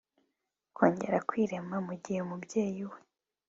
kongera kwirema mu gihe umubyeyi we